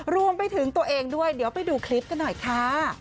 รวมไปถึงตัวเองด้วยเดี๋ยวไปดูคลิปกันหน่อยค่ะ